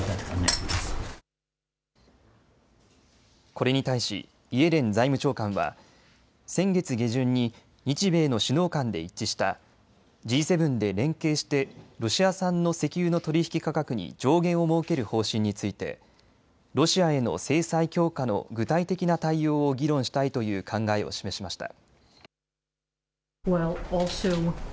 これに対しイエレン財務長官は先月下旬に日米の首脳間で一致したＧ７で連携してロシア産の石油の取引価格に上限を設ける方針について、ロシアへの制裁強化の具体的な対応を議論したいという考えを示しました。